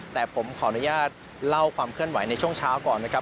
แต่ผมขออนุญาตเล่าความเคลื่อนไหวในช่วงเช้าก่อนนะครับ